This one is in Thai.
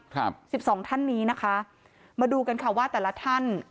ครับสิบสองท่านนี้นะคะมาดูกันค่ะว่าแต่ละท่าน